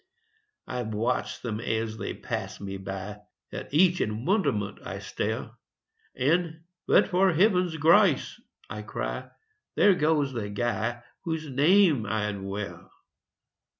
I watch them as they pass me by; At each in wonderment I stare, And, "but for heaven's grace," I cry, "There goes the guy whose name I'd wear!"